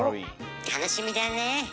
楽しみだね。